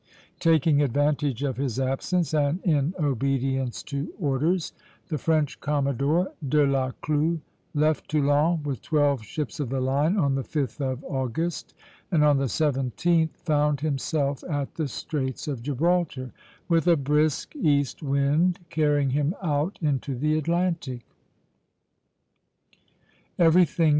Taking advantage of his absence, and in obedience to orders, the French commodore, De la Clue, left Toulon with twelve ships of the line on the 5th of August, and on the 17th found himself at the Straits of Gibraltar, with a brisk east wind carrying him out into the Atlantic.